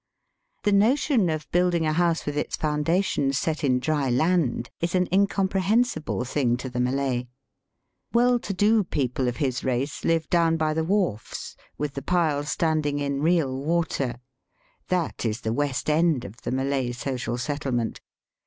The notion of building a house with its foundations set in dry land is an incomprehensible thing to the Malay. Well to do people of his race live down by the wharfs, with the piles stand ing in real water. That is the West End of the Malay social settlement.